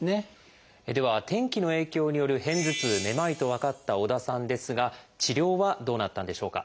では天気の影響による片頭痛めまいと分かった織田さんですが治療はどうなったんでしょうか？